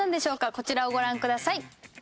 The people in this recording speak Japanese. こちらをご覧ください。